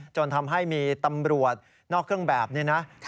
จนทำให้มีตำรวจนอกเครื่องแบบนี้นะ